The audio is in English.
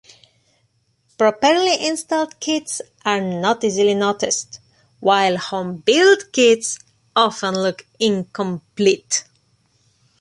Properly installed kits are not easily noticed, while home built kits often look incomplete.